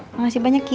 makasih banyak ki